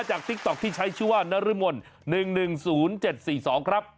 ติ๊กต๊อกที่ใช้ชื่อว่านรมน๑๑๐๗๔๒ครับ